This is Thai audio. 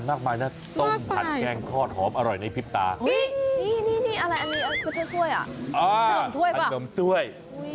อ๋อผนมถ้วยเปล่าผนมถ้วย